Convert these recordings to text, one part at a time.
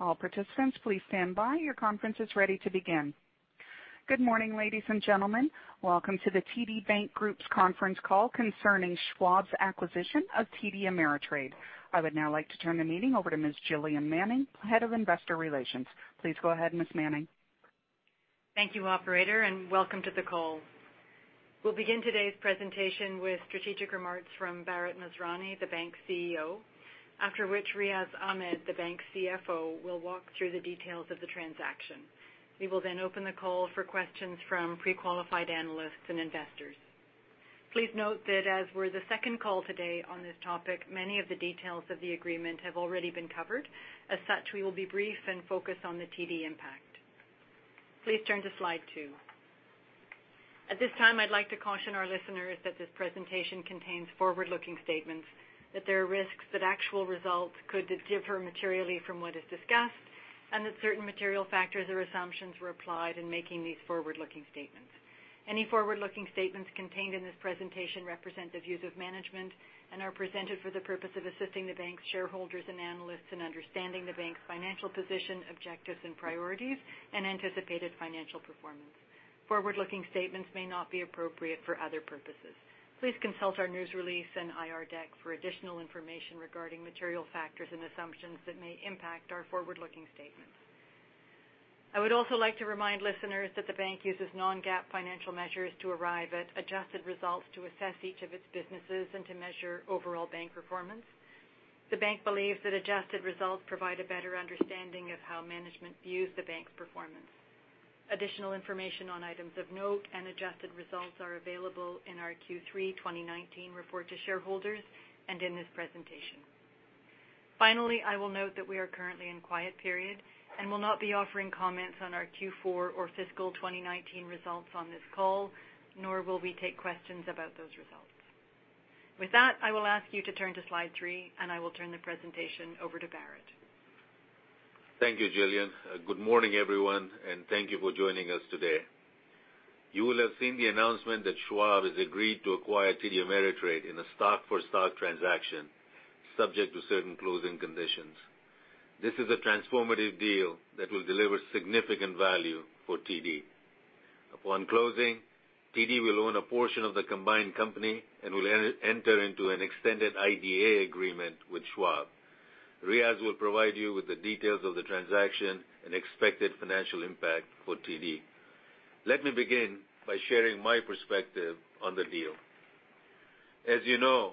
All participants, please stand by. Your conference is ready to begin. Good morning, ladies and gentlemen. Welcome to the TD Bank Group's conference call concerning Schwab's acquisition of TD Ameritrade. I would now like to turn the meeting over to Ms. Gillian Manning, Head of Investor Relations. Please go ahead, Ms. Manning. Thank you, operator, and welcome to the call. We'll begin today's presentation with strategic remarks from Bharat Masrani, the bank's CEO, after which Riaz Ahmed, the bank's CFO, will walk through the details of the transaction. We will then open the call for questions from pre-qualified analysts and investors. Please note that as we're the second call today on this topic, many of the details of the agreement have already been covered. As such, we will be brief and focused on the TD impact. Please turn to slide two. At this time, I'd like to caution our listeners that this presentation contains forward-looking statements, that there are risks that actual results could differ materially from what is discussed, and that certain material factors or assumptions were applied in making these forward-looking statements. Any forward-looking statements contained in this presentation represent the views of management and are presented for the purpose of assisting the bank's shareholders and analysts in understanding the bank's financial position, objectives and priorities, and anticipated financial performance. Forward-looking statements may not be appropriate for other purposes. Please consult our news release and IR deck for additional information regarding material factors and assumptions that may impact our forward-looking statements. I would also like to remind listeners that the bank uses non-GAAP financial measures to arrive at adjusted results to assess each of its businesses and to measure overall bank performance. The bank believes that adjusted results provide a better understanding of how management views the bank's performance. Additional information on items of note and adjusted results are available in our Q3 2019 report to shareholders and in this presentation. Finally, I will note that we are currently in quiet period and will not be offering comments on our Q4 or fiscal 2019 results on this call, nor will we take questions about those results. With that, I will ask you to turn to slide three, and I will turn the presentation over to Bharat. Thank you, Gillian. Good morning, everyone, and thank you for joining us today. You will have seen the announcement that Schwab has agreed to acquire TD Ameritrade in a stock-for-stock transaction subject to certain closing conditions. This is a transformative deal that will deliver significant value for TD. Upon closing, TD will own a portion of the combined company and will enter into an extended IDA agreement with Schwab. Riaz will provide you with the details of the transaction and expected financial impact for TD. Let me begin by sharing my perspective on the deal. As you know,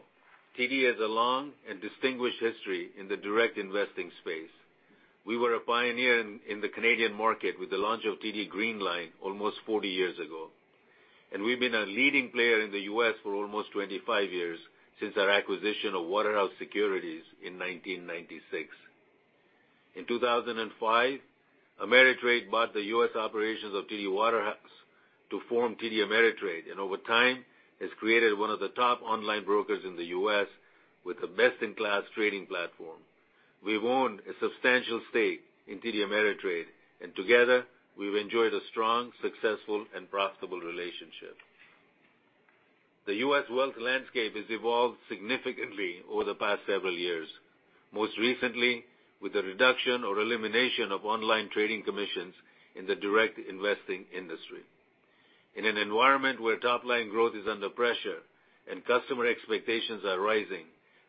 TD has a long and distinguished history in the direct investing space. We were a pioneer in the Canadian market with the launch of TD Green Line almost 40 years ago. We've been a leading player in the U.S. for almost 25 years, since our acquisition of Waterhouse Securities in 1996. In 2005, Ameritrade bought the U.S. operations of TD Waterhouse to form TD Ameritrade, and over time, has created one of the top online brokers in the U.S. with a best-in-class trading platform. We've owned a substantial stake in TD Ameritrade, and together, we've enjoyed a strong, successful, and profitable relationship. The U.S. wealth landscape has evolved significantly over the past several years, most recently with the reduction or elimination of online trading commissions in the direct investing industry. In an environment where top-line growth is under pressure and customer expectations are rising,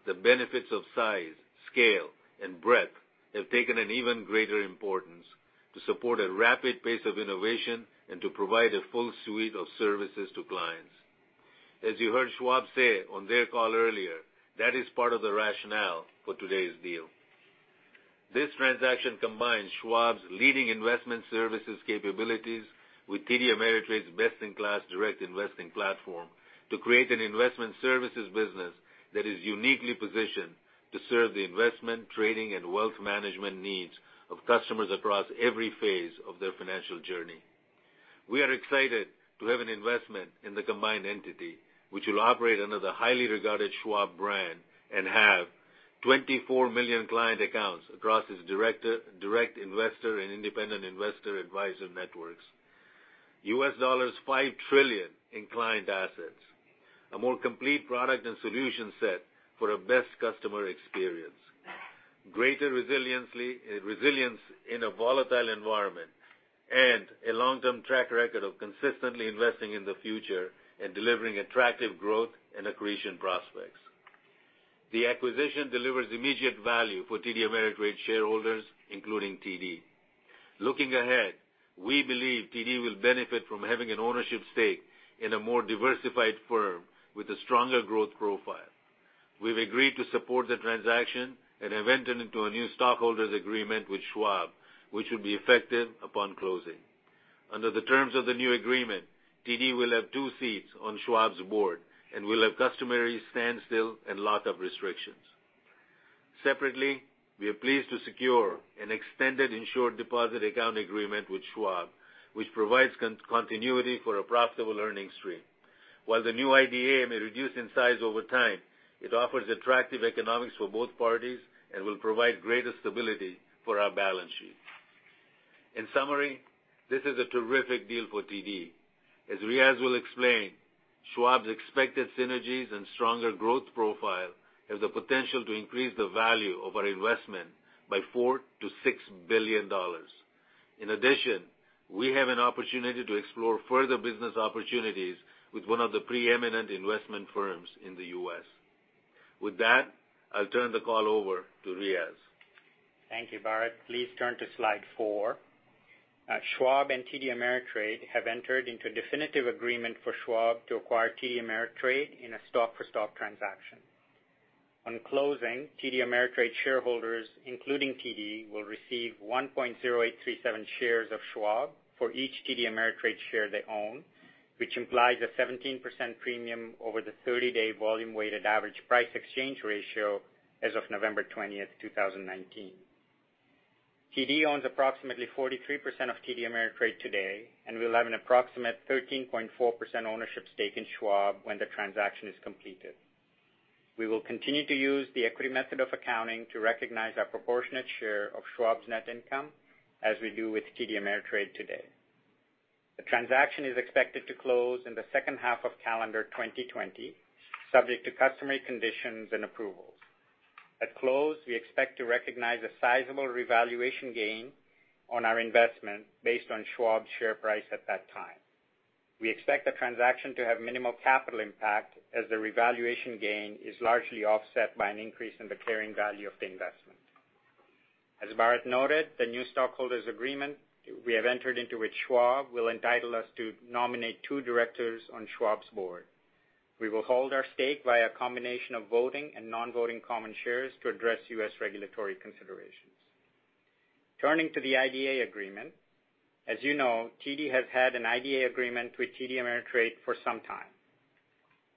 the benefits of size, scale, and breadth have taken an even greater importance to support a rapid pace of innovation and to provide a full suite of services to clients. As you heard Schwab say on their call earlier, that is part of the rationale for today's deal. This transaction combines Schwab's leading investment services capabilities with TD Ameritrade's best-in-class direct investing platform to create an investment services business that is uniquely positioned to serve the investment, trading, and wealth management needs of customers across every phase of their financial journey. We are excited to have an investment in the combined entity, which will operate under the highly regarded Schwab brand and have 24 million client accounts across its direct investor and independent investor advisor networks, $5 trillion in client assets, a more complete product and solution set for a best customer experience, greater resilience in a volatile environment, and a long-term track record of consistently investing in the future and delivering attractive growth and accretion prospects. The acquisition delivers immediate value for TD Ameritrade shareholders, including TD. Looking ahead, we believe TD will benefit from having an ownership stake in a more diversified firm with a stronger growth profile. We've agreed to support the transaction and have entered into a new shareholders agreement with Schwab, which will be effective upon closing. Under the terms of the new agreement, TD will have two seats on Schwab's board and will have customary standstill and lock-up restrictions. Separately, we are pleased to secure an extended Insured Deposit Account agreement with Schwab, which provides continuity for a profitable earnings stream. While the new IDA may reduce in size over time, it offers attractive economics for both parties and will provide greater stability for our balance sheet. In summary, this is a terrific deal for TD. As Riaz will explain, Schwab's expected synergies and stronger growth profile has the potential to increase the value of our investment by 4 billion-6 billion dollars. In addition, we have an opportunity to explore further business opportunities with one of the preeminent investment firms in the U.S. With that, I'll turn the call over to Riaz. Thank you, Bharat. Please turn to slide four. Schwab and TD Ameritrade have entered into a definitive agreement for Schwab to acquire TD Ameritrade in a stock-for-stock transaction. On closing, TD Ameritrade shareholders, including TD, will receive 1.0837 shares of Schwab for each TD Ameritrade share they own, which implies a 17% premium over the 30-day volume weighted average price exchange ratio as of November 20th, 2019. TD owns approximately 43% of TD Ameritrade today, and we will have an approximate 13.4% ownership stake in Schwab when the transaction is completed. We will continue to use the equity method of accounting to recognize our proportionate share of Schwab's net income, as we do with TD Ameritrade today. The transaction is expected to close in the second half of calendar 2020, subject to customary conditions and approvals. At close, we expect to recognize a sizable revaluation gain on our investment based on Schwab's share price at that time. We expect the transaction to have minimal capital impact, as the revaluation gain is largely offset by an increase in the carrying value of the investment. As Bharat noted, the new stockholders agreement we have entered into with Schwab will entitle us to nominate two directors on Schwab's board. We will hold our stake via a combination of voting and non-voting common shares to address U.S. regulatory considerations. Turning to the IDA agreement. As you know, TD has had an IDA agreement with TD Ameritrade for some time.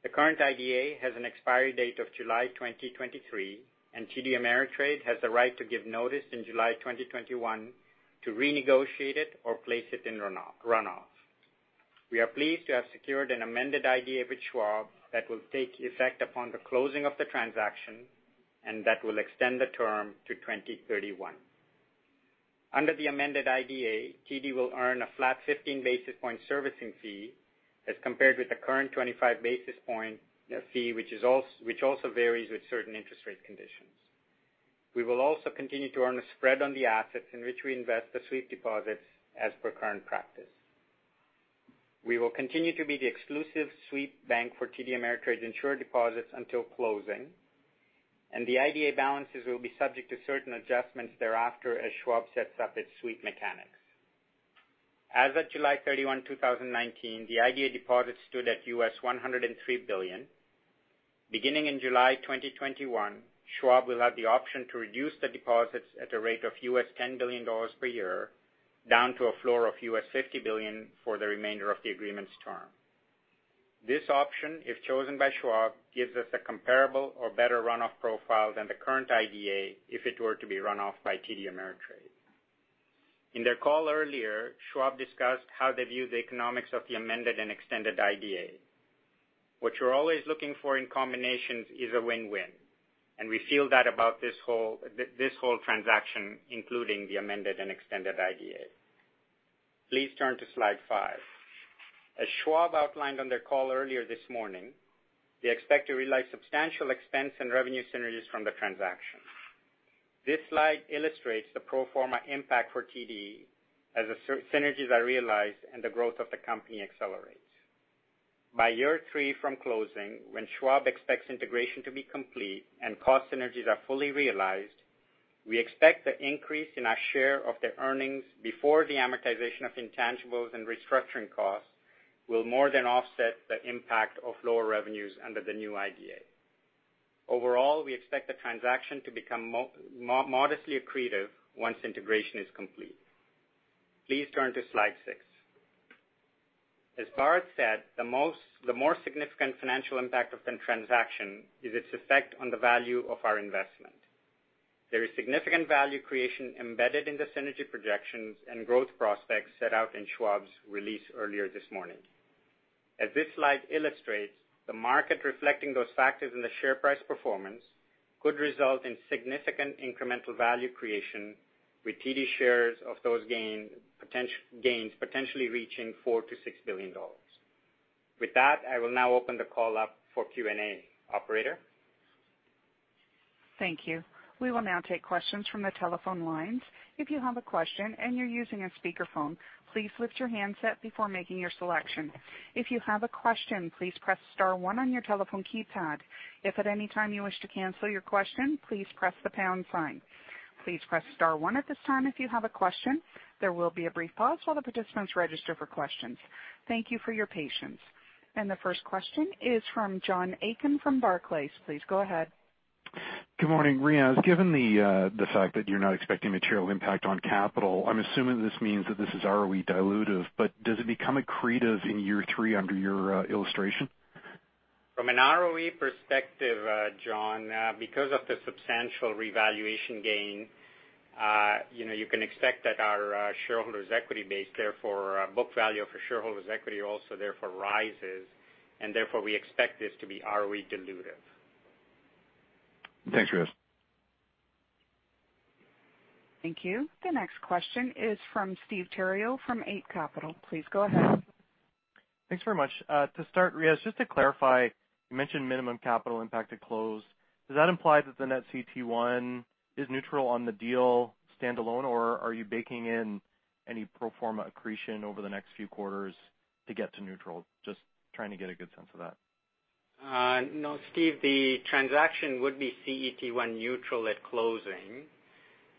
The current IDA has an expiry date of July 2023, and TD Ameritrade has the right to give notice in July 2021 to renegotiate it or place it in runoff. We are pleased to have secured an amended IDA with Schwab that will take effect upon the closing of the transaction, and that will extend the term to 2031. Under the amended IDA, TD will earn a flat 15 basis point servicing fee as compared with the current 25 basis point fee, which also varies with certain interest rate conditions. We will also continue to earn a spread on the assets in which we invest the sweep deposits as per current practice. We will continue to be the exclusive sweep bank for TD Ameritrade insured deposits until closing, and the IDA balances will be subject to certain adjustments thereafter as Schwab sets up its sweep mechanics. As of July 31, 2019, the IDA deposit stood at $103 billion. Beginning in July 2021, Schwab will have the option to reduce the deposits at a rate of US $10 billion per year, down to a floor of US $50 billion for the remainder of the agreement's term. This option, if chosen by Schwab, gives us a comparable or better runoff profile than the current IDA if it were to be run off by TD Ameritrade. In their call earlier, Schwab discussed how they view the economics of the amended and extended IDA. What you're always looking for in combinations is a win-win, and we feel that about this whole transaction, including the amended and extended IDA. Please turn to slide five. As Schwab outlined on their call earlier this morning, they expect to realize substantial expense and revenue synergies from the transaction. This slide illustrates the pro forma impact for TD as the synergies are realized and the growth of the company accelerates. By year three from closing, when Schwab expects integration to be complete and cost synergies are fully realized, we expect the increase in our share of their earnings before the amortization of intangibles and restructuring costs will more than offset the impact of lower revenues under the new IDA. Overall, we expect the transaction to become modestly accretive once integration is complete. Please turn to slide six. As Bharat said, the more significant financial impact of the transaction is its effect on the value of our investment. There is significant value creation embedded in the synergy projections and growth prospects set out in Schwab's release earlier this morning. As this slide illustrates, the market reflecting those factors in the share price performance could result in significant incremental value creation with TD shares of those gains potentially reaching 4 billion-6 billion dollars. With that, I will now open the call up for Q&A. Operator? Thank you. We will now take questions from the telephone lines. If you have a question and you're using a speakerphone, please lift your handset before making your selection. If you have a question, please press star one on your telephone keypad. If at any time you wish to cancel your question, please press the pound sign. Please press star one at this time if you have a question. There will be a brief pause while the participants register for questions. Thank you for your patience. The first question is from John Aiken from Barclays. Please go ahead. Good morning, Riaz. Given the fact that you're not expecting material impact on capital, I'm assuming this means that this is ROE dilutive. Does it become accretive in year three under your illustration? From an ROE perspective, John, because of the substantial revaluation gain, you can expect that our shareholders' equity base, therefore our book value for shareholders' equity also therefore rises, and therefore we expect this to be ROE dilutive. Thanks, Riaz. Thank you. The next question is from Steve Theriault from Eight Capital. Please go ahead. Thanks very much. To start, Riaz, just to clarify, you mentioned minimum capital impact at close. Does that imply that the net CET1 is neutral on the deal standalone, or are you baking in any pro forma accretion over the next few quarters to get to neutral? Just trying to get a good sense of that. No, Steve, the transaction would be CET1 neutral at closing. Okay.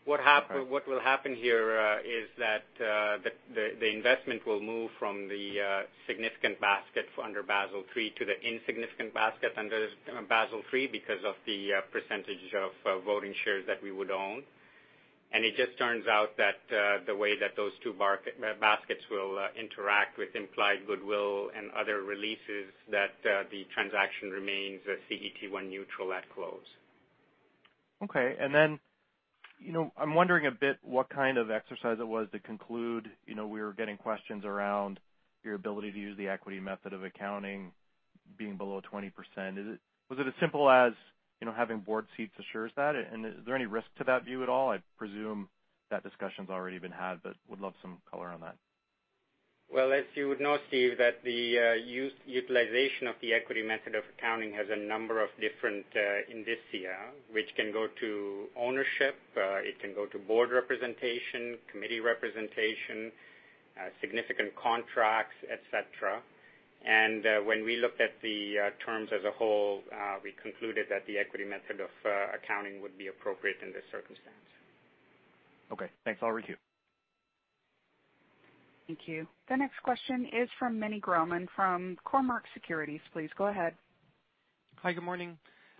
What will happen here is that the investment will move from the significant basket under Basel III to the insignificant basket under Basel III because of the percentage of voting shares that we would own. It just turns out that the way that those two baskets will interact with implied goodwill and other releases, that the transaction remains CET1 neutral at close. Okay. I'm wondering a bit what kind of exercise it was to conclude. We were getting questions around your ability to use the equity method of accounting being below 20%. Was it as simple as having board seats assures that? Is there any risk to that view at all? I presume that discussion's already been had. Would love some color on that. Well, as you would know, Steve, that the utilization of the equity method of accounting has a number of different indicia, which can go to ownership, it can go to board representation, committee representation, significant contracts, et cetera. When we looked at the terms as a whole, we concluded that the equity method of accounting would be appropriate in this circumstance. Okay. Thanks. I'll recoup. Thank you. The next question is from Meny Grauman from Cormark Securities. Please go ahead. Hi, good morning.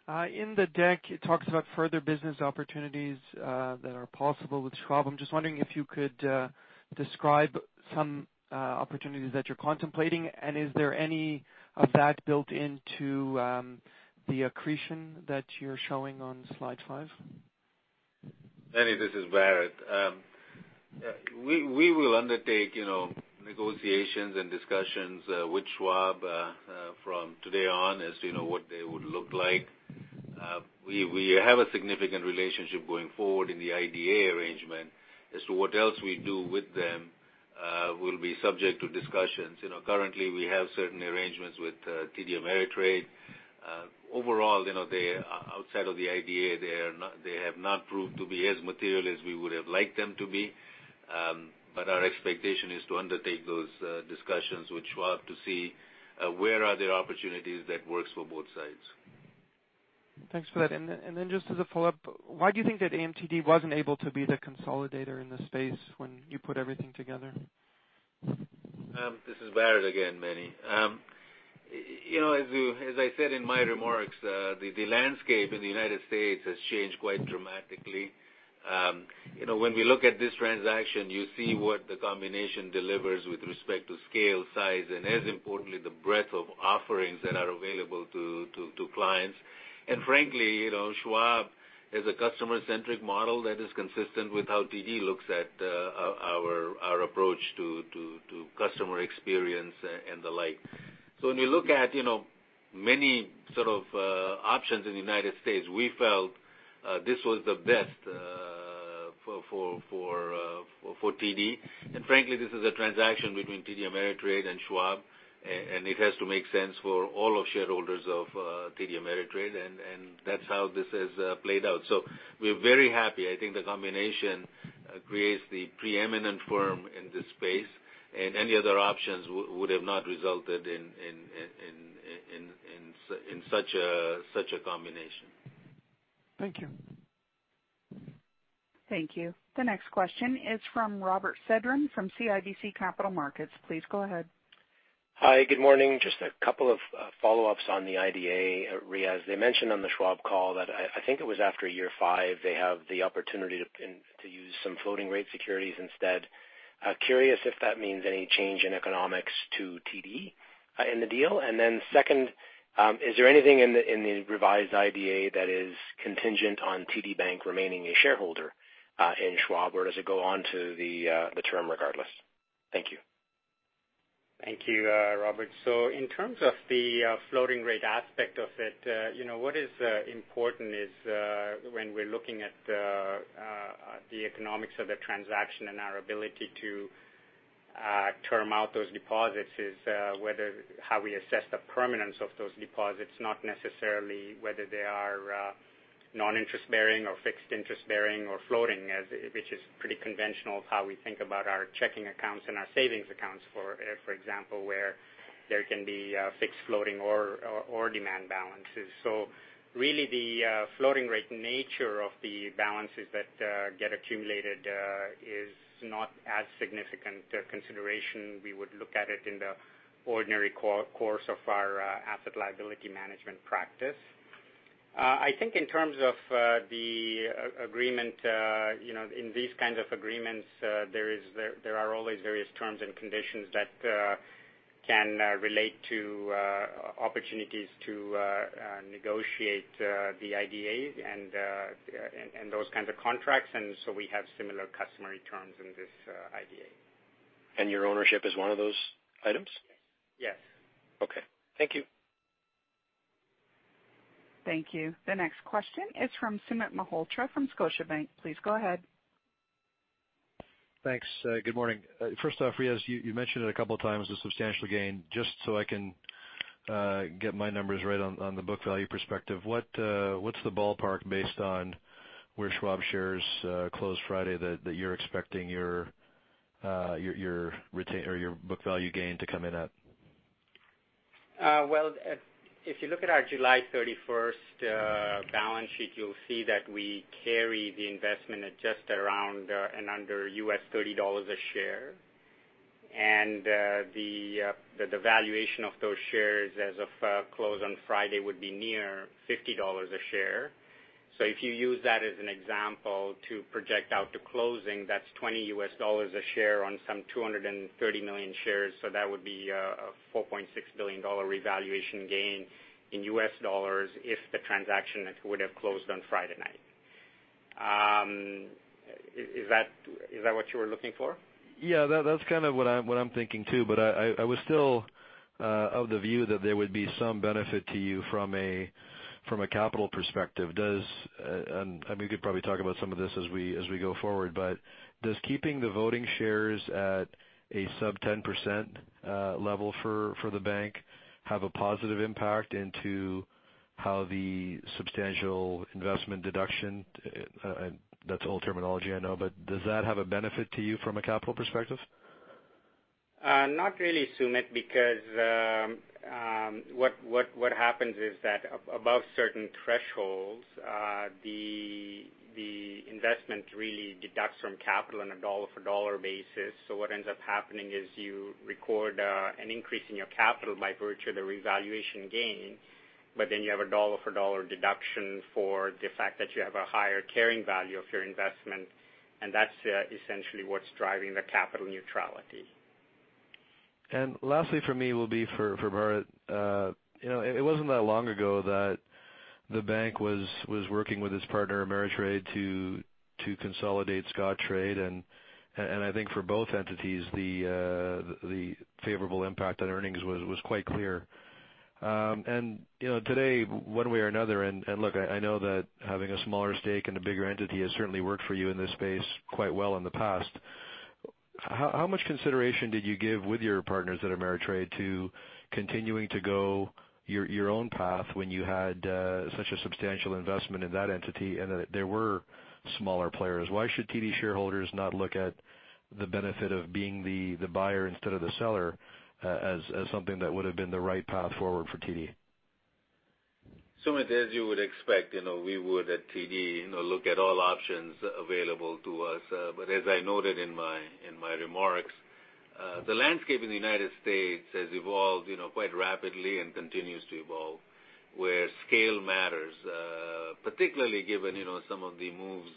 In the deck, it talks about further business opportunities that are possible with Schwab. I am just wondering if you could describe some opportunities that you are contemplating, and is there any of that built into the accretion that you are showing on slide five? Meny, this is Bharat. We will undertake negotiations and discussions with Schwab from today on as what they would look like. We have a significant relationship going forward in the IDA arrangement as to what else we do with them will be subject to discussions. Currently, we have certain arrangements with TD Ameritrade. Overall, outside of the IDA, they have not proved to be as material as we would have liked them to be. Our expectation is to undertake those discussions with Schwab to see where are there opportunities that works for both sides. Thanks for that. Then just as a follow-up, why do you think that AMTD wasn't able to be the consolidator in this space when you put everything together? This is Bharat again, Meny. As I said in my remarks, the landscape in the U.S. has changed quite dramatically. When we look at this transaction, you see what the combination delivers with respect to scale, size, and as importantly, the breadth of offerings that are available to clients. Frankly, Charles Schwab is a customer-centric model that is consistent with how TD looks at our approach to customer experience and the like. When you look at many sort of options in the U.S., we felt this was the best for TD. Frankly, this is a transaction between TD Ameritrade and Charles Schwab, and it has to make sense for all shareholders of TD Ameritrade, and that's how this has played out. We're very happy. I think the combination creates the preeminent firm in this space, and any other options would have not resulted in such a combination. Thank you. Thank you. The next question is from Robert Sedran from CIBC Capital Markets. Please go ahead. Hi, good morning. Just a couple of follow-ups on the IDA, Riaz. They mentioned on the Schwab call that I think it was after year 5, they have the opportunity to use some floating rate securities instead. Curious if that means any change in economics to TD in the deal. Then second, is there anything in the revised IDA that is contingent on TD Bank remaining a shareholder in Schwab? Does it go on to the term regardless? Thank you. Thank you, Robert. In terms of the floating rate aspect of it, what is important is when we're looking at the economics of the transaction and our ability to term out those deposits is how we assess the permanence of those deposits not necessarily whether they are non-interest-bearing or fixed-interest-bearing or floating, which is pretty conventional of how we think about our checking accounts and our savings accounts, for example, where there can be fixed floating or demand balances. Really the floating rate nature of the balances that get accumulated is not as significant a consideration. We would look at it in the ordinary course of our asset liability management practice. I think in terms of the agreement, in these kinds of agreements, there are always various terms and conditions that can relate to opportunities to negotiate the IDA and those kinds of contracts, and so we have similar customary terms in this IDA. Your ownership is one of those items? Yes. Okay. Thank you. Thank you. The next question is from Sumit Malhotra from Scotiabank. Please go ahead. Thanks. Good morning. First off, Riaz, you mentioned it a couple of times, a substantial gain. Just so I can get my numbers right on the book value perspective, what's the ballpark based on where Schwab shares closed Friday that you're expecting your book value gain to come in at? If you look at our July 31st balance sheet, you'll see that we carry the investment at just around and under $30 a share. The valuation of those shares as of close on Friday would be near $50 a share. If you use that as an example to project out to closing, that's $20 a share on some 230 million shares, that would be a $4.6 billion revaluation gain in U.S. dollars if the transaction would have closed on Friday night. Is that what you were looking for? Yeah, that's what I'm thinking too, but I was still of the view that there would be some benefit to you from a capital perspective. I mean, we could probably talk about some of this as we go forward, but does keeping the voting shares at a sub 10% level for the bank have a positive impact into how the substantial investment deduction, that's old terminology I know, but does that have a benefit to you from a capital perspective? Not really, Sumit, because what happens is that above certain thresholds, the investment really deducts from capital on a dollar for dollar basis. What ends up happening is you record an increase in your capital by virtue of the revaluation gain, but then you have a dollar for dollar deduction for the fact that you have a higher carrying value of your investment, and that's essentially what's driving the capital neutrality. Lastly from me will be for Bharat. It wasn't that long ago that the bank was working with its partner Ameritrade to consolidate Scottrade, and I think for both entities, the favorable impact on earnings was quite clear. Today, one way or another, and look, I know that having a smaller stake in a bigger entity has certainly worked for you in this space quite well in the past. How much consideration did you give with your partners at Ameritrade to continuing to go your own path when you had such a substantial investment in that entity and that there were smaller players? Why should TD shareholders not look at the benefit of being the buyer instead of the seller as something that would have been the right path forward for TD? Sumit, as you would expect, we would at TD look at all options available to us. As I noted in my remarks, the landscape in the United States has evolved quite rapidly and continues to evolve, where scale matters, particularly given some of the moves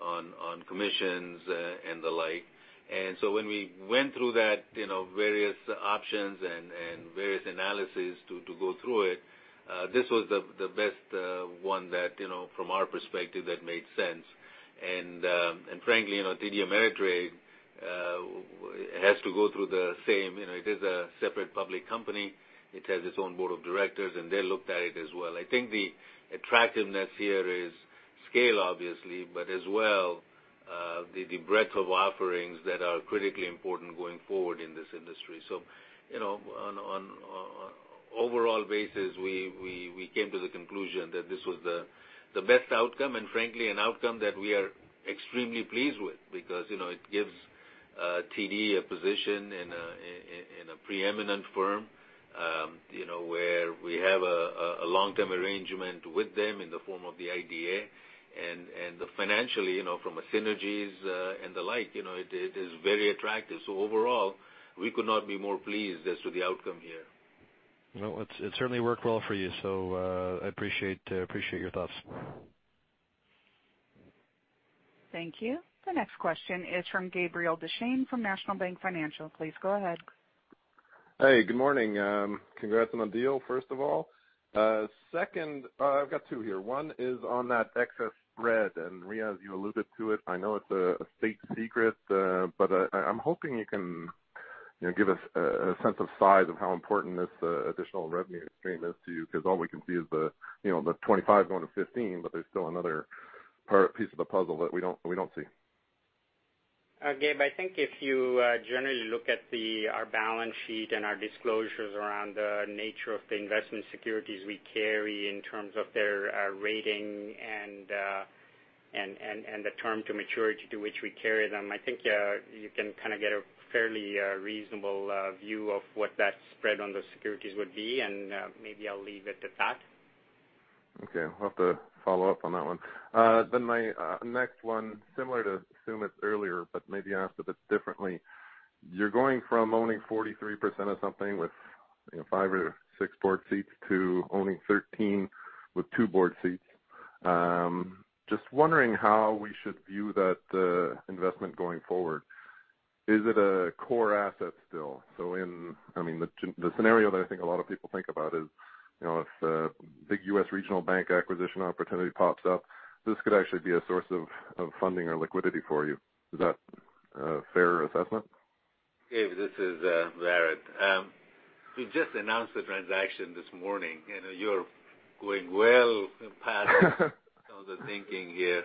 on commissions and the like. When we went through that, various options and various analysis to go through it, this was the best one that from our perspective that made sense. Frankly, TD Ameritrade has to go through the same. It is a separate public company. It has its own board of directors, and they looked at it as well. I think the attractiveness here is scale, obviously, but as well, the breadth of offerings that are critically important going forward in this industry. On an overall basis, we came to the conclusion that this was the best outcome, and frankly, an outcome that we are extremely pleased with because it gives TD a position in a preeminent firm where we have a long-term arrangement with them in the form of the IDA, and financially, from a synergies and the like, it is very attractive. Overall, we could not be more pleased as to the outcome here. Well, it certainly worked well for you, so I appreciate your thoughts. Thank you. The next question is from Gabriel Dechaine from National Bank Financial. Please go ahead. Hey, good morning. Congrats on the deal, first of all. Second, I've got two here. One is on that excess spread, and Riaz, you alluded to it. I know it's a state secret, but I'm hoping you can give us a sense of size of how important this additional revenue stream is to you, because all we can see is the 25 going to 15, but there's still another piece of the puzzle that we don't see. Gabe, I think if you generally look at our balance sheet and our disclosures around the nature of the investment securities we carry in terms of their rating and the term to maturity to which we carry them, I think you can get a fairly reasonable view of what that spread on those securities would be, and maybe I'll leave it at that. Okay. We'll have to follow up on that one. My next one, similar to Sumit earlier, but maybe asked a bit differently. You're going from owning 43% of something with five or six board seats to owning 13 with two board seats. Just wondering how we should view that investment going forward. Is it a core asset still? The scenario that I think a lot of people think about is if a big U.S. regional bank acquisition opportunity pops up, this could actually be a source of funding or liquidity for you. Is that a fair assessment? Gabe, this is Bharat. We just announced the transaction this morning, you're going well past some of the thinking here.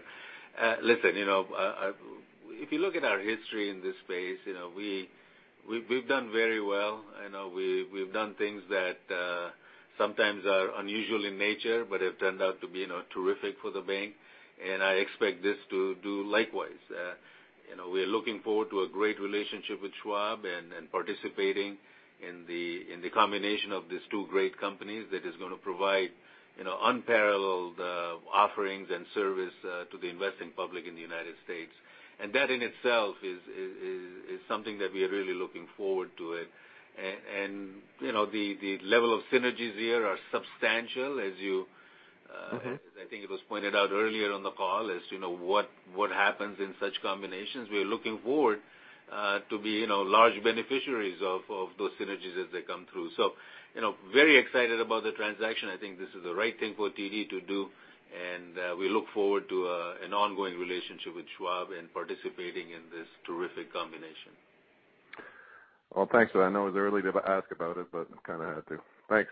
Listen, if you look at our history in this space, we've done very well. I know we've done things that sometimes are unusual in nature, but have turned out to be terrific for the bank, and I expect this to do likewise. We're looking forward to a great relationship with Schwab and participating in the combination of these two great companies that is going to provide unparalleled offerings and service to the investing public in the U.S. And that in itself is something that we are really looking forward to it. The level of synergies here are substantial. I think it was pointed out earlier on the call, as what happens in such combinations. We are looking forward to be large beneficiaries of those synergies as they come through. Very excited about the transaction. I think this is the right thing for TD to do, and we look forward to an ongoing relationship with Schwab and participating in this terrific combination. Well, thanks. I know it's early to ask about it. I kind of had to. Thanks.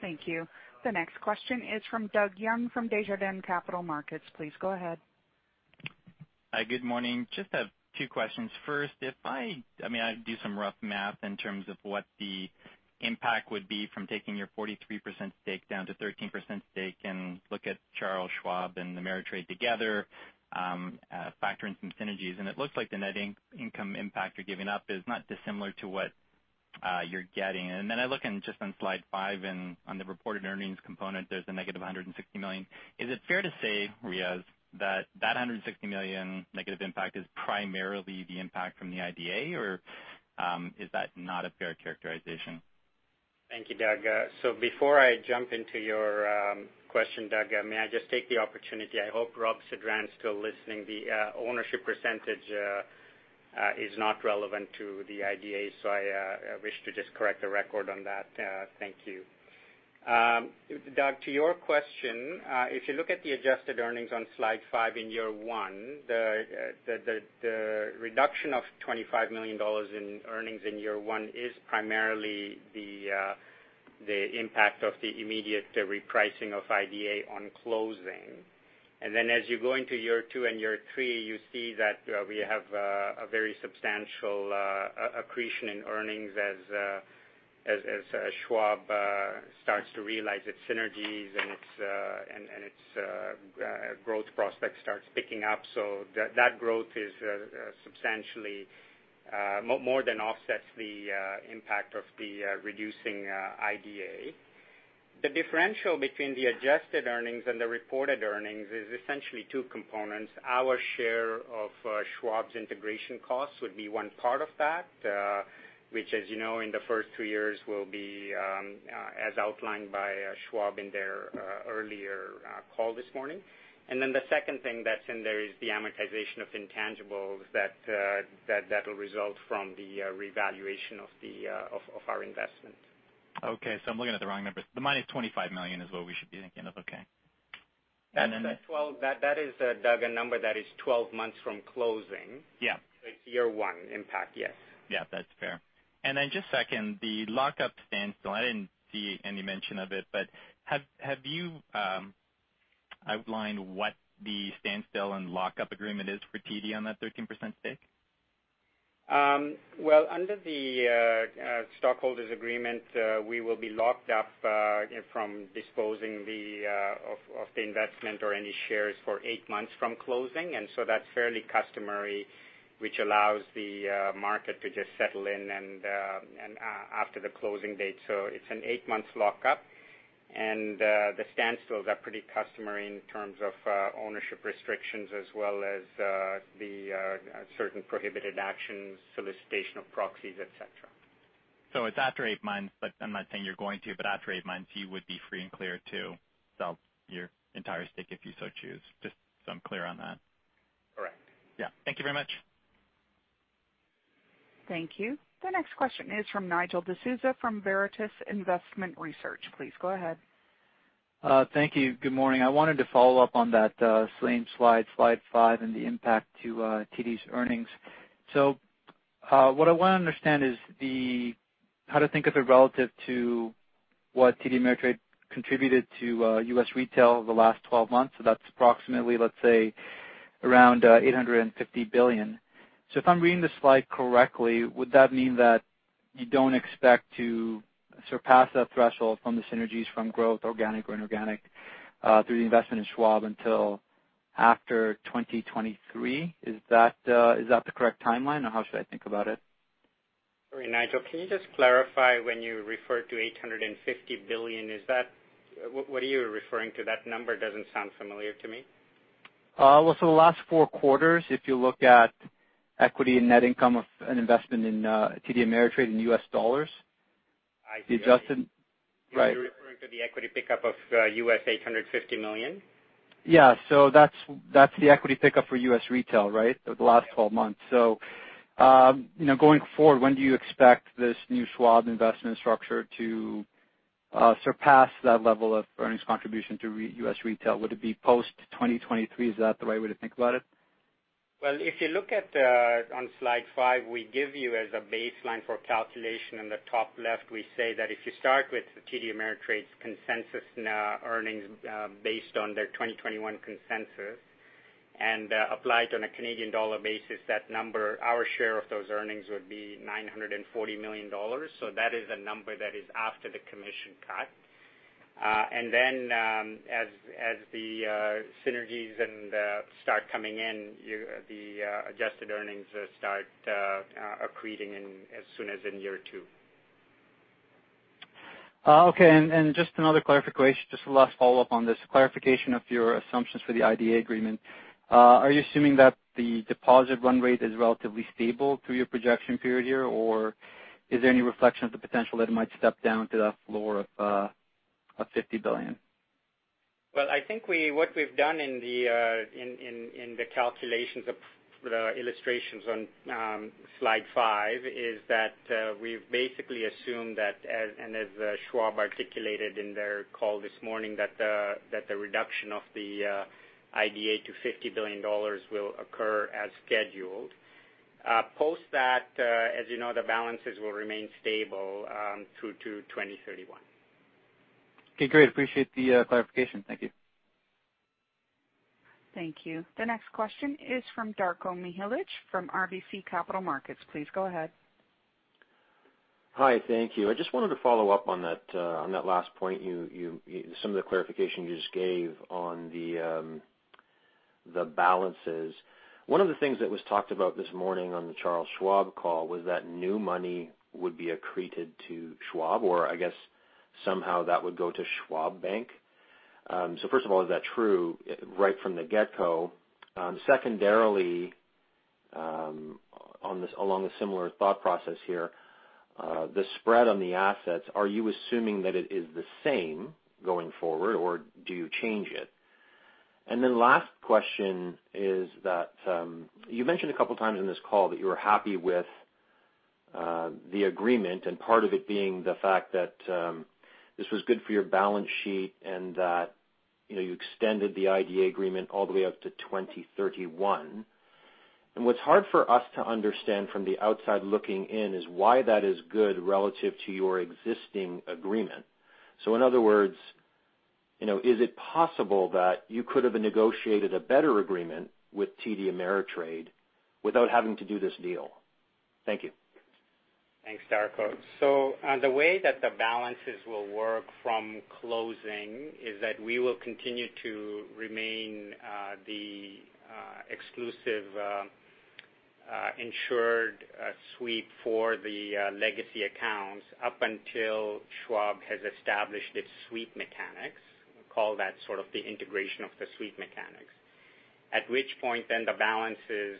Thank you. The next question is from Doug Young from Desjardins Capital Markets. Please go ahead. Hi, good morning. Just have two questions. First, I do some rough math in terms of what the impact would be from taking your 43% stake down to 13% stake and look at Charles Schwab and Ameritrade together, factor in some synergies, it looks like the net income impact you're giving up is not dissimilar to what you're getting. I look just on slide five and on the reported earnings component, there's a negative 160 million. Is it fair to say, Riaz, that 160 million negative impact is primarily the impact from the IDA, or is that not a fair characterization? Thank you, Doug. Before I jump into your question, Doug, may I just take the opportunity, I hope Rob Sedran's still listening. The ownership percentage is not relevant to the IDA, I wish to just correct the record on that. Thank you. Doug, to your question, if you look at the adjusted earnings on slide five in year one, the reduction of 25 million dollars in earnings in year one is primarily the impact of the immediate repricing of IDA on closing. As you go into year two and year three, you see that we have a very substantial accretion in earnings as Schwab starts to realize its synergies and its growth prospects starts picking up. That growth more than offsets the impact of the reducing IDA. The differential between the adjusted earnings and the reported earnings is essentially two components. Our share of Schwab's integration costs would be one part of that, which, as you know, in the first two years will be as outlined by Schwab in their earlier call this morning. The second thing that's in there is the amortization of intangibles that'll result from the revaluation of our investment. Okay, I'm looking at the wrong numbers. The minus 25 million is what we should be thinking of. Okay. That is, Doug, a number that is 12 months from closing. Yeah. It's year one impact, yes. Yeah, that's fair. Just second, the lock-up standstill, I didn't see any mention of it, have you outlined what the standstill and lock-up agreement is for TD on that 13% stake? Well, under the stockholders' agreement, we will be locked up from disposing of the investment or any shares for eight months from closing, and so that's fairly customary, which allows the market to just settle in and after the closing date. It's an eight-month lock-up. The standstills are pretty customary in terms of ownership restrictions as well as the certain prohibited actions, solicitation of proxies, et cetera. It's after eight months, but I'm not saying you're going to, but after eight months, you would be free and clear to sell your entire stake if you so choose. Just so I'm clear on that. Correct. Yeah. Thank you very much. Thank you. The next question is from Nigel D'Souza from Veritas Investment Research. Please go ahead. Thank you. Good morning. I wanted to follow up on that same slide five, and the impact to TD's earnings. What I want to understand is how to think of it relative to what TD Ameritrade contributed to U.S. Retail over the last 12 months. That's approximately, let's say, around 850 billion. If I'm reading the slide correctly, would that mean that you don't expect to surpass that threshold from the synergies from growth, organic or inorganic, through the investment in Schwab until after 2023? Is that the correct timeline, or how should I think about it? Sorry, Nigel, can you just clarify when you referred to 850 billion? What are you referring to? That number doesn't sound familiar to me. Well, the last 4 quarters, if you look at equity and net income of an investment in TD Ameritrade in U.S. dollars. Right. Are you referring to the equity pickup of $850 million? Yeah. That's the equity pickup for U.S. Retail, right? Of the last 12 months. Going forward, when do you expect this new Schwab investment structure to surpass that level of earnings contribution to U.S. Retail? Would it be post 2023? Is that the right way to think about it? If you look on slide five, we give you as a baseline for calculation in the top left, we say that if you start with TD Ameritrade's consensus earnings based on their 2021 consensus and applied on a Canadian dollar basis, that number, our share of those earnings would be 940 million dollars. That is a number that is after the commission cut. As the synergies start coming in, the adjusted earnings start accreting as soon as in year two. Okay. Just another clarification, just the last follow-up on this. Clarification of your assumptions for the IDA agreement. Are you assuming that the deposit run rate is relatively stable through your projection period here, or is there any reflection of the potential that it might step down to that floor of 50 billion? I think what we've done in the calculations of the illustrations on slide five is that we've basically assumed that as, and as Schwab articulated in their call this morning, that the reduction of the IDA to 50 billion dollars will occur as scheduled. Post that, as you know, the balances will remain stable through to 2031. Okay, great. Appreciate the clarification. Thank you. Thank you. The next question is from Darko Mihelic from RBC Capital Markets. Please go ahead. Hi, thank you. I just wanted to follow up on that last point, some of the clarification you just gave on the balances. One of the things that was talked about this morning on the Charles Schwab call was that new money would be accreted to Schwab, or I guess somehow that would go to Schwab Bank. First of all, is that true, right from the get go? Secondarily, along a similar thought process here, the spread on the assets, are you assuming that it is the same going forward, or do you change it? Last question is that you mentioned a couple of times in this call that you were happy with the agreement, and part of it being the fact that this was good for your balance sheet and that you extended the IDA agreement all the way up to 2031. What's hard for us to understand from the outside looking in is why that is good relative to your existing agreement. In other words, is it possible that you could have negotiated a better agreement with TD Ameritrade without having to do this deal? Thank you. Thanks, Darko Mihelic. The way that the balances will work from closing is that we will continue to remain the exclusive insured sweep for the legacy accounts up until Schwab has established its sweep mechanics. We call that sort of the integration of the sweep mechanics. At which point, the balances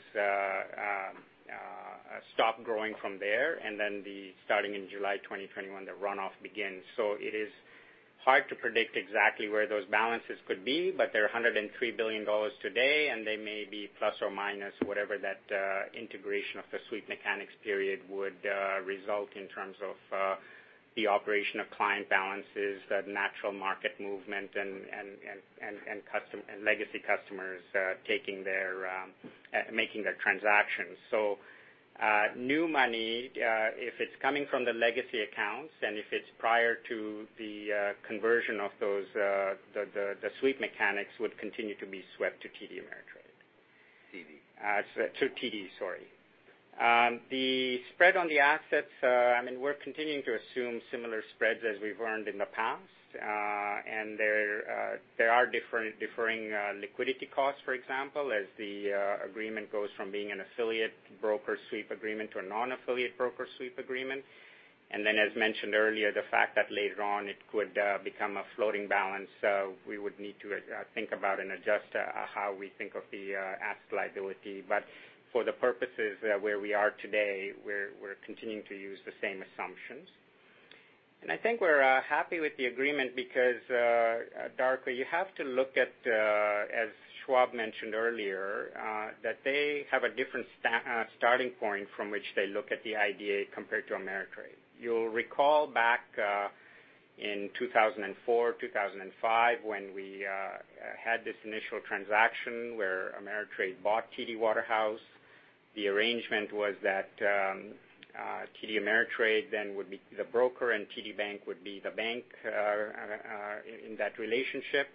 stop growing from there, and starting in July 2021, the runoff begins. It is hard to predict exactly where those balances could be, but they're $103 billion today, and they may be ± whatever that integration of the sweep mechanics period would result in terms of the operation of client balances, the natural market movement and legacy customers making their transactions. New money, if it's coming from the legacy accounts and if it's prior to the conversion of the sweep mechanics, would continue to be swept to TD Ameritrade. TD. The spread on the assets, we're continuing to assume similar spreads as we've earned in the past. There are differing liquidity costs, for example, as the agreement goes from being an affiliate broker sweep agreement to a non-affiliate broker sweep agreement. As mentioned earlier, the fact that later on it could become a floating balance, we would need to think about and adjust how we think of the asset liability. For the purposes where we are today, we're continuing to use the same assumptions. I think we're happy with the agreement because, Darko, you have to look at, as Schwab mentioned earlier, that they have a different starting point from which they look at the IDA compared to Ameritrade. You'll recall back in 2004, 2005, when we had this initial transaction where Ameritrade bought TD Waterhouse, the arrangement was that TD Ameritrade then would be the broker, and TD Bank would be the bank in that relationship.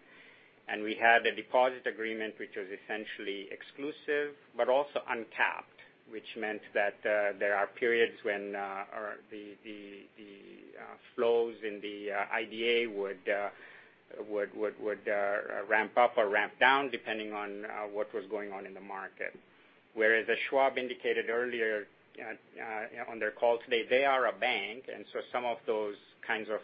We had a deposit agreement which was essentially exclusive, but also uncapped, which meant that there are periods when the flows in the IDA would ramp up or ramp down, depending on what was going on in the market. As Schwab indicated earlier on their call today, they are a bank, some of those kinds of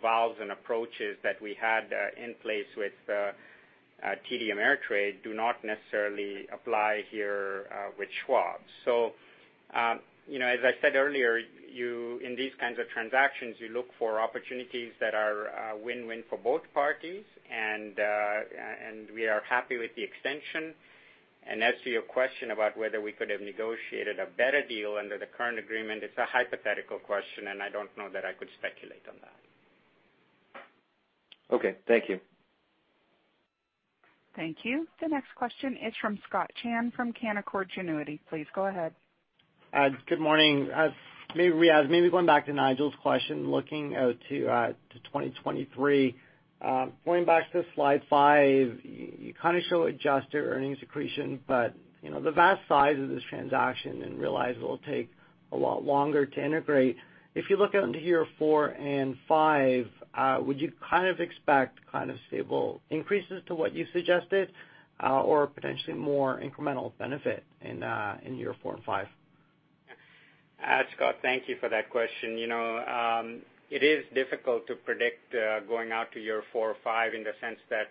valves and approaches that we had in place with TD Ameritrade do not necessarily apply here with Schwab. As I said earlier, in these kinds of transactions, you look for opportunities that are win-win for both parties and we are happy with the extension. As to your question about whether we could have negotiated a better deal under the current agreement, it's a hypothetical question, and I don't know that I could speculate on that. Okay, thank you. Thank you. The next question is from Scott Chan from Canaccord Genuity. Please go ahead. Good morning. Maybe, Riaz, maybe going back to Nigel's question, looking out to 2023. Going back to slide five, you kind of show adjusted earnings accretion, but the vast size of this transaction and realize it'll take a lot longer to integrate. If you look out into year four and five, would you kind of expect stable increases to what you suggested or potentially more incremental benefit in year four and five? Scott, thank you for that question. It is difficult to predict going out to year four or five in the sense that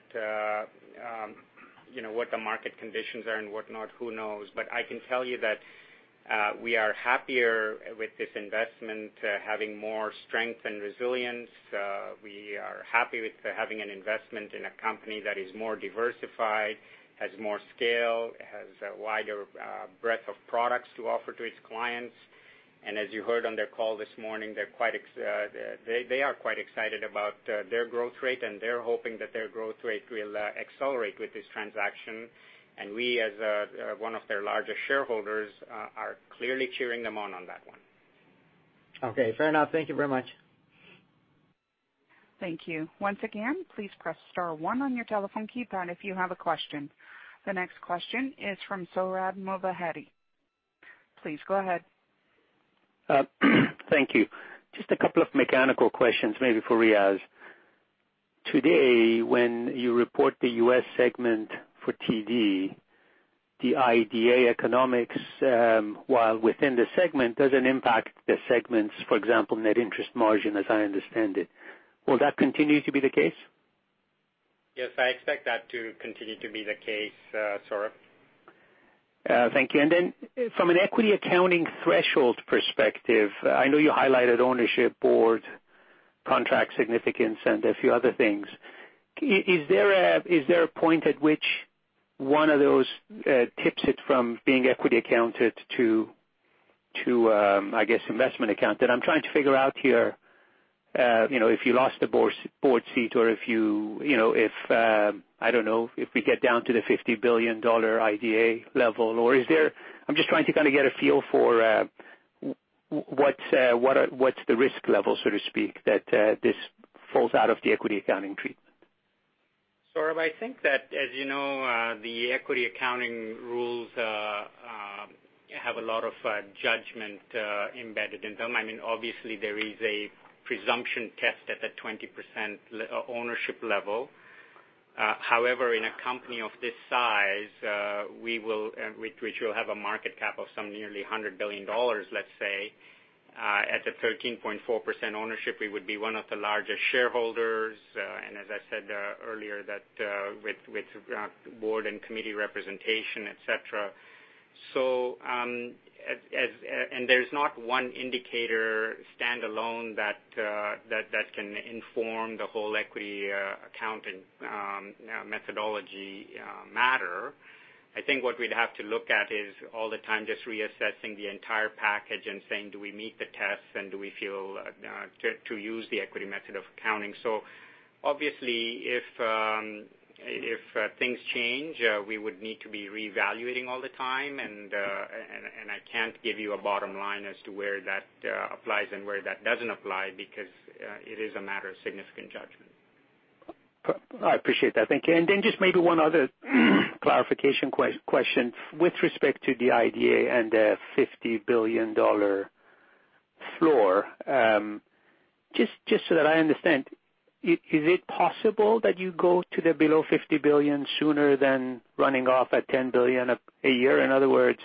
what the market conditions are and whatnot, who knows? I can tell you that we are happier with this investment having more strength and resilience. We are happy with having an investment in a company that is more diversified, has more scale, has a wider breadth of products to offer to its clients. As you heard on their call this morning, they are quite excited about their growth rate, and they're hoping that their growth rate will accelerate with this transaction. We, as one of their largest shareholders, are clearly cheering them on that one. Okay, fair enough. Thank you very much. Thank you. Once again, please press star one on your telephone keypad if you have a question. The next question is from Sohrab Movahedi. Please go ahead. Thank you. Just a couple of mechanical questions, maybe for Riaz. Today, when you report the U.S. segment for TD, the IDA economics, while within the segment, doesn't impact the segment's, for example, net interest margin, as I understand it. Will that continue to be the case? Yes, I expect that to continue to be the case, Sohrab. Thank you. Then from an equity accounting threshold perspective, I know you highlighted ownership, board, contract significance, and a few other things. Is there a point at which one of those tips it from being equity accounted to, I guess, investment account? I'm trying to figure out here if you lost a board seat or if, I don't know, we get down to the $50 billion IDA level. I'm just trying to kind of get a feel for what's the risk level, so to speak, that this falls out of the equity accounting treatment. Sohrab, I think that, as you know, the equity accounting rules have a lot of judgment embedded in them. There is a presumption test at the 20% ownership level. In a company of this size, which will have a market cap of some nearly $100 billion, let's say at the 13.4% ownership, we would be one of the largest shareholders. As I said earlier, that with board and committee representation, et cetera. There's not one indicator standalone that can inform the whole equity accounting methodology matter. I think what we'd have to look at is all the time just reassessing the entire package and saying, do we meet the tests and do we feel to use the equity method of accounting? Obviously, if things change, we would need to be reevaluating all the time, and I can't give you a bottom line as to where that applies and where that doesn't apply because it is a matter of significant judgment. I appreciate that. Thank you. Then just maybe one other clarification question with respect to the IDA and the 50 billion dollar floor. Just so that I understand, is it possible that you go to the below 50 billion sooner than running off at 10 billion a year? In other words,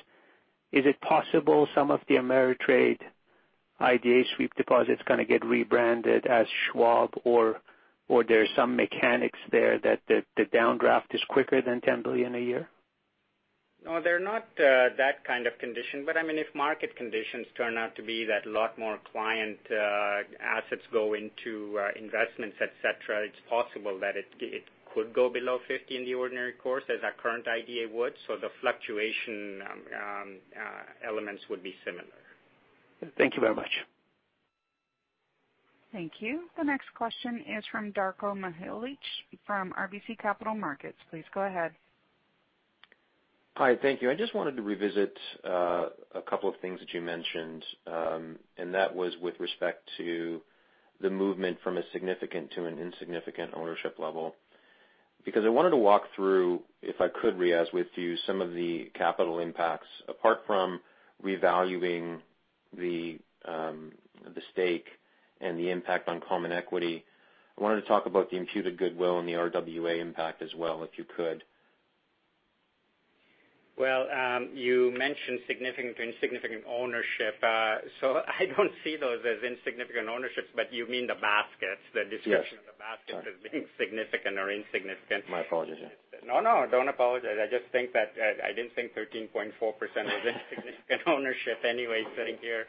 is it possible some of the Ameritrade IDA sweep deposits kind of get rebranded as Schwab, or there's some mechanics there that the downdraft is quicker than 10 billion a year? No, they're not that kind of condition. If market conditions turn out to be that a lot more client assets go into investments, et cetera, it's possible that it could go below 50 in the ordinary course as our current IDA would. The fluctuation elements would be similar. Thank you very much. Thank you. The next question is from Darko Mihelic from RBC Capital Markets. Please go ahead. Hi. Thank you. I just wanted to revisit a couple of things that you mentioned, and that was with respect to the movement from a significant to an insignificant ownership level. I wanted to walk through, if I could, Riaz, with you some of the capital impacts. Apart from revaluing the stake and the impact on common equity, I wanted to talk about the imputed goodwill and the RWA impact as well, if you could. Well, you mentioned significant to insignificant ownership. I don't see those as insignificant ownerships, but you mean the baskets, the description. Yes, sorry. of the basket as being significant or insignificant. My apologies. No, no, don't apologize. I just think that I didn't think 13.4% was insignificant ownership anyway sitting here.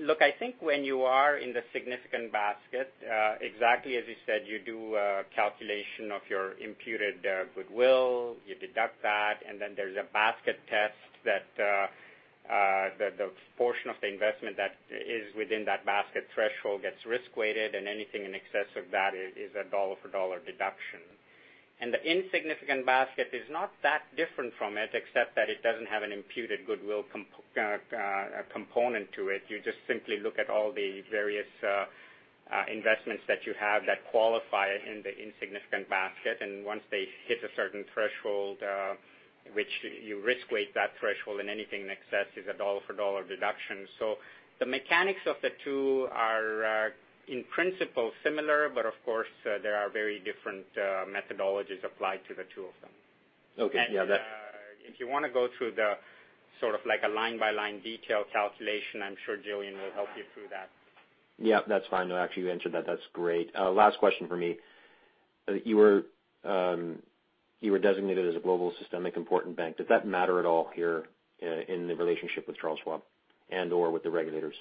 Look, I think when you are in the significant basket, exactly as you said, you do a calculation of your imputed goodwill, you deduct that, and then there's a basket test that the portion of the investment that is within that basket threshold gets risk-weighted, and anything in excess of that is a dollar-for-dollar deduction. The insignificant basket is not that different from it, except that it doesn't have an imputed goodwill component to it. You just simply look at all the various investments that you have that qualify in the insignificant basket, and once they hit a certain threshold, which you risk-weight that threshold, and anything in excess is a dollar-for-dollar deduction. The mechanics of the two are, in principle, similar, but of course, there are very different methodologies applied to the two of them. Okay. Yeah. If you want to go through the sort of like a line-by-line detail calculation, I'm sure Gillian will help you through that. Yeah, that's fine, though. Actually, you answered that. That's great. Last question for me. You were designated as a global systemically important bank. Does that matter at all here in the relationship with Charles Schwab and/or with the regulators?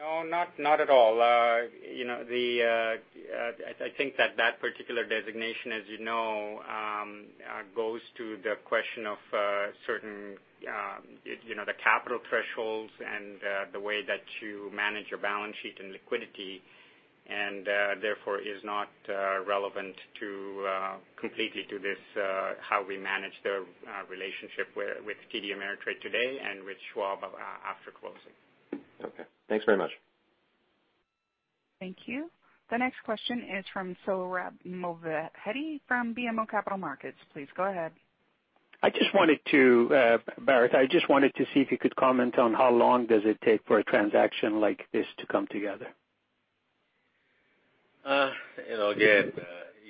No, not at all. I think that that particular designation, as you know, goes to the question of the capital thresholds and the way that you manage your balance sheet and liquidity, and therefore, is not relevant completely to this how we manage the relationship with TD Ameritrade today and with Schwab after closing. Okay. Thanks very much. Thank you. The next question is from Sohrab Movahedi from BMO Capital Markets. Please go ahead. Bharat, I just wanted to see if you could comment on how long does it take for a transaction like this to come together? Again,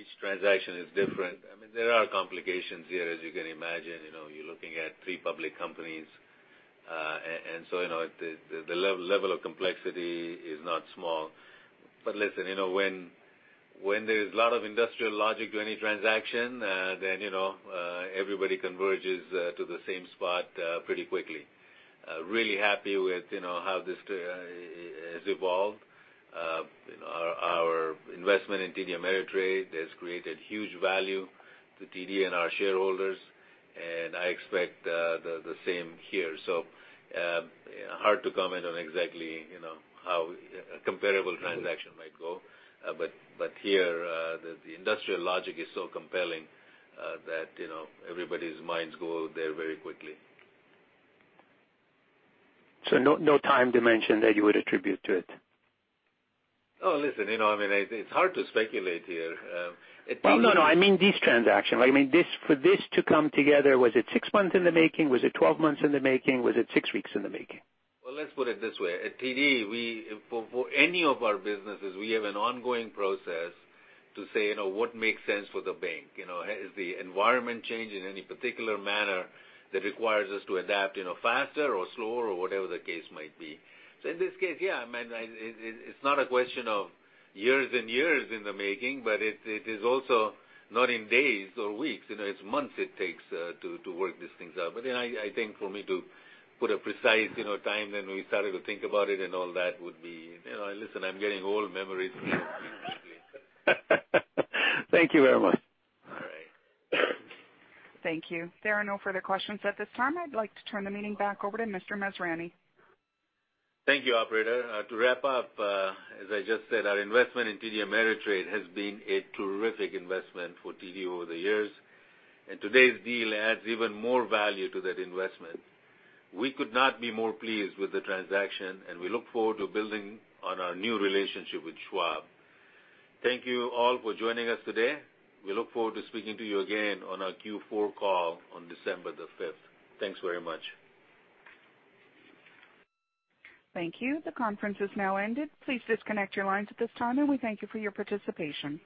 each transaction is different. There are complications here, as you can imagine. You're looking at three public companies. The level of complexity is not small. Listen, when there's a lot of industrial logic to any transaction, then everybody converges to the same spot pretty quickly. Really happy with how this has evolved. Our investment in TD Ameritrade has created huge value to TD and our shareholders. I expect the same here. Hard to comment on exactly how a comparable transaction might go. Here, the industrial logic is so compelling that everybody's minds go there very quickly. No time dimension that you would attribute to it? Oh, listen, it's hard to speculate here. Well, no, I mean this transaction. I mean, for this to come together, was it six months in the making? Was it 12 months in the making? Was it six weeks in the making? Let's put it this way. At TD, for any of our businesses, we have an ongoing process to say what makes sense for the bank. Is the environment changing in any particular manner that requires us to adapt faster or slower or whatever the case might be? In this case, yeah, it's not a question of years and years in the making, but it is also not in days or weeks. It's months it takes to work these things out. I think for me to put a precise time when we started to think about it and all that would be Listen, I'm getting old. Thank you very much. All right. Thank you. There are no further questions at this time. I'd like to turn the meeting back over to Mr. Masrani. Thank you, operator. To wrap up, as I just said, our investment in TD Ameritrade has been a terrific investment for TD over the years, and today's deal adds even more value to that investment. We could not be more pleased with the transaction, and we look forward to building on our new relationship with Schwab. Thank you all for joining us today. We look forward to speaking to you again on our Q4 call on December the 5th. Thanks very much. Thank you. The conference has now ended. Please disconnect your lines at this time, and we thank you for your participation.